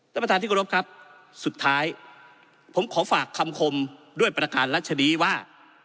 ท่านประธานที่กรบครับสุดท้ายผมขอฝากคำคมด้วยประการรัชนีว่า